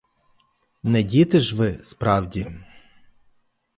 Не діти ж ви, справді.